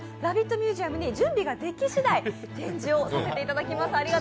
ミュージアムに準備ができしだい展示をさせていただきます。